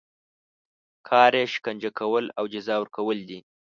کار یې شکنجه کول او جزا ورکول دي.